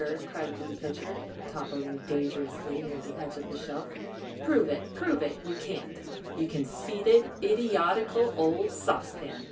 cried Blue Pitcher, toppling dangerously near the edge of the shelf. "Prove it! Prove it! You can't! you conceited id i o ti cal old Sauce Pan!